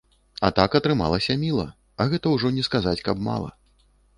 А так атрымалася міла, а гэта ўжо не сказаць, каб мала.